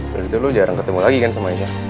dari itu lo jarang ketemu lagi kan sama aisyah